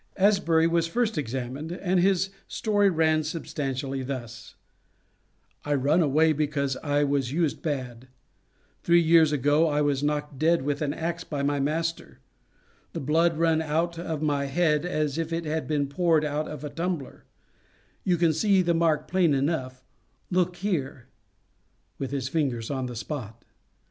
Asbury was first examined, and his story ran substantially thus: "I run away because I was used bad; three years ago I was knocked dead with an axe by my master; the blood run out of my head as if it had been poured out of a tumbler; you can see the mark plain enough look here," (with his finger on the spot).